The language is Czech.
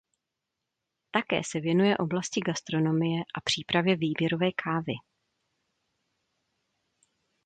Také se věnuje oblasti gastronomie a přípravě výběrové kávy.